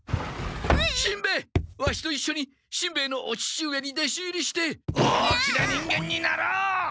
しんべヱワシといっしょにしんべヱのお父上に弟子入りして大きな人間になろう！